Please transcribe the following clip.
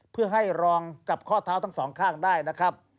เพื่อให้รองกับข้อเท้าทั้งสองข้างได้นะครับ